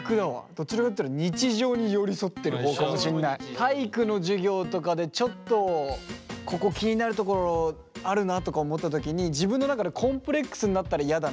どちらかっていったら体育の授業とかでちょっとここ気になるところあるなとか思った時に自分の中でコンプレックスになったらやだなって思ったから。